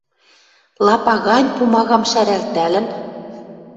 Лапа гань пумагам шӓрӓлтӓлӹн